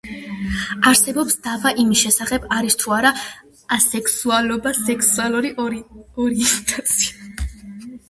არსებობს დავა იმის შესახებ არის თუ არა ასექსუალობა სექსუალური ორიენტაცია.